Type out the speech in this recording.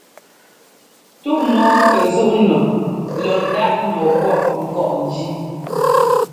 Tu mɔ́ɔ kɛ zúꞌú nu lɔ ndáꞌ nɔɔ pɔ́ kɔ́ꞌnjí !